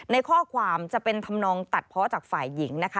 ในข้อความจะเป็นธรรมนองตัดเพาะจากฝ่ายหญิงนะคะ